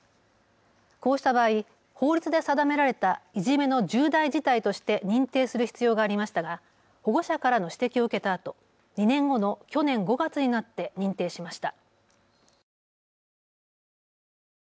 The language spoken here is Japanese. こうした場合、法律で定められたいじめの重大事態として認定する必要がありましたが保護者からの指摘を受けたあと、２年後の去年５月になって認定しました。